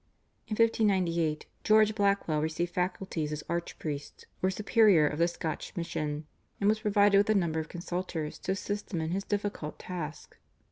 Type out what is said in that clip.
In 1598 George Blackwell received faculties as archpriest or superior of the Scotch mission, and was provided with a number of consultors to assist him in his difficult task.